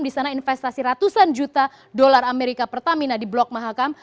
di sana investasi ratusan juta dolar amerika pertamina di blok mahakam